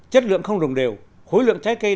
chất lượng không đồng đều khối lượng trái cây